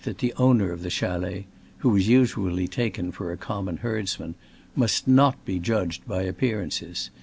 65 that the owner of the chalets (who is usually taken for a common herdsman) must not be judged by appearances.